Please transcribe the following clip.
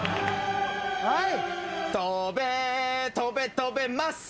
はい。